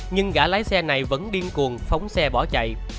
nhưng gã lái xe này vẫn điên cuồng phóng xe bỏ chạy